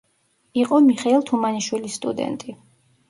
იყო მიხეილ თუმანიშვილის სტუდენტი.